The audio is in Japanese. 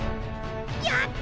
やった！